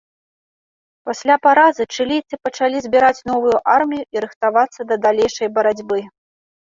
Пасля паразы чылійцы пачалі збіраць новую армію і рыхтавацца да далейшай барацьбы.